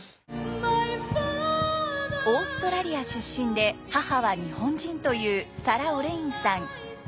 オーストラリア出身で母は日本人というサラ・オレインさん。